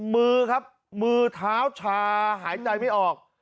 มือครับมือเท้าชาหายใจไม่ออก